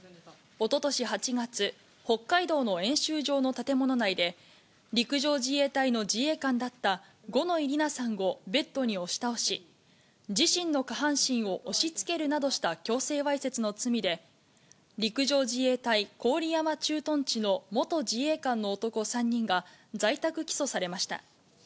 おととし８月、北海道の演習場の建物内で、陸上自衛隊の自衛官だった五ノ井里奈さんをベッドに押し倒し、自身の下半身を押しつけるなどした強制わいせつの罪で、陸上自衛隊郡山駐屯地の元自衛官の男３人が、在宅起訴されました。